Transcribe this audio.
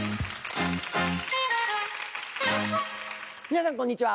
皆さんこんにちは。